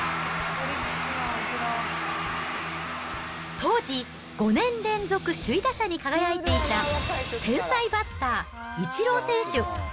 当時、５年連続首位打者に輝いていた、天才バッター、イチロー選手。